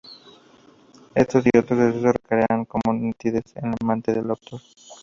Estos y otros sucesos se recrean con nitidez en la mente del autor.